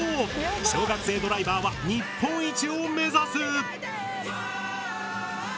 小学生ドライバーは日本一を目指す！